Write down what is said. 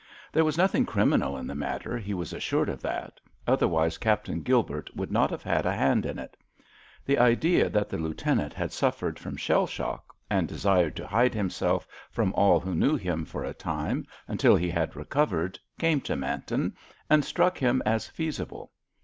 There was nothing criminal in the matter, he was assured of that, otherwise Captain Gilbert would not have had a hand in it. The idea that the Lieutenant had suffered from shell shock, and desired to hide himself from all who knew him for a time until he had recovered, came to Manton, and struck him as feasible.